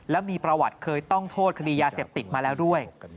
แล้วมีประวัติเคยต้องโทษคดียาเสพติดมาแล้วด้วย